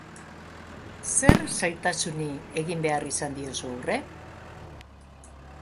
Zer zailtasuni egin behar izan diozu aurre?